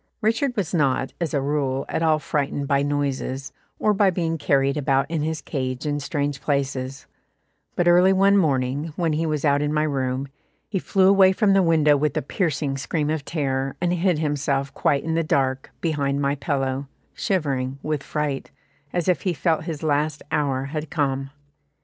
Richard was not, as a rule, at all frightened by noises, or by being carried about in his cage in strange places, but early one morning, when he was out in my room, he flew away from the window with a piercing scream of terror, and hid himself quite in the dark, behind my pillow, shivering with fright, as if he felt his last hour had come.